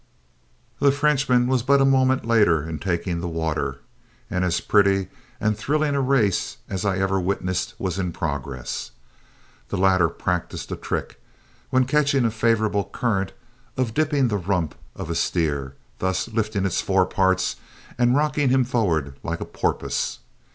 The Frenchman was but a moment later in taking the water, and as pretty and thrilling a race as I ever witnessed was in progress. The latter practiced a trick, when catching a favorable current, of dipping the rump of a steer, thus lifting his fore parts and rocking him forward like a porpoise.